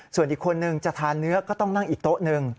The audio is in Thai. ส่วนอีกคนนึงจะทานเนื้อก็ต้องนั่งอีกโต๊ะหนึ่ง